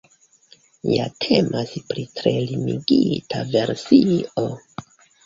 Ja temas pri tre limigita versio.